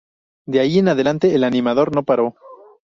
De ahí en adelante el animador no paró.